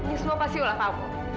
ini semua pasti ulat aku